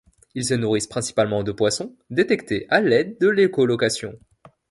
Ils se nourrissent principalement de poissons, détectés à l'aide de l'écholocation.